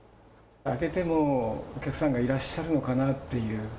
開けてもお客さんがいらっしゃるのかなっていう。